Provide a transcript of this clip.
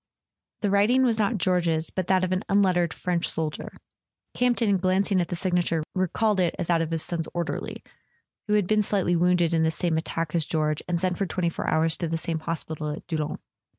The writing was not George's, but that of an un¬ lettered French soldier. Campton, glancing at the signature, recalled it as that of his son's orderly, who had been slightly wounded in the same attack as George, and sent for twenty four hours to the same hospital at Doullens.